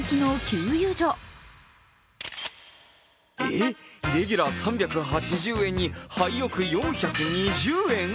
えっ、レギュラー３８０円にハイオク４２０円！？